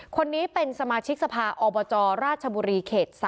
คนนี้เป็นสมาชิกสภาอบจราชบุรีเขต๓